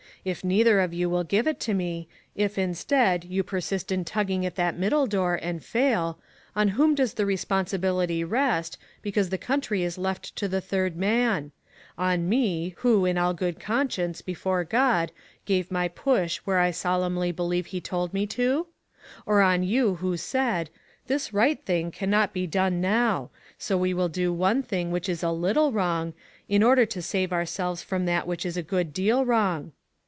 If neither of you will give it to me — if instead, you persist in tugging at that middle door, and fail — on whom does the responsibility rest, because the country is left to the third man ?— on me, who, in all good conscience, before God, gave my push where I solemnly believe he told me to ? or on you who said, ' This right thing can not be done now ; so we will do one thing which is a little wrong, 3IO ONE COMMONPLACE DAY. »iu order to save ourselves from that which is a good deal wrong?'